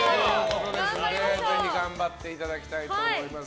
ぜひ頑張っていただきたいと思います。